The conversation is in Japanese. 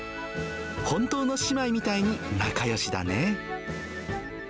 本当の姉妹みたいに仲よしだね。